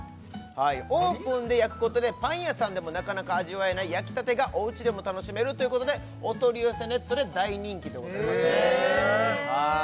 オーブンで焼くことでパン屋さんでもなかなか味わえない焼きたてがおうちでも楽しめるということでおとりよせネットで大人気ですねえっ